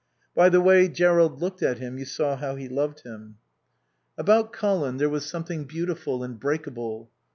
By the way Jerrold looked at him you saw how he loved him. About Colin there was something beautiful and breakable.